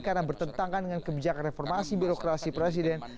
karena bertentangan dengan kebijakan reformasi birokrasi presiden